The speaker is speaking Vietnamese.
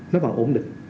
nó còn ổn định